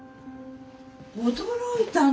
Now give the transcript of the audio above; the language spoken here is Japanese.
驚いたね！